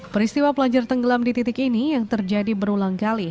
peristiwa pelajar tenggelam di titik ini yang terjadi berulang kali